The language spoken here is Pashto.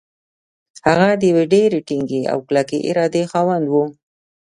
هغه د يوې ډېرې ټينګې او کلکې ارادې خاوند و.